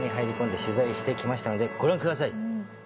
して来ましたのでご覧ください。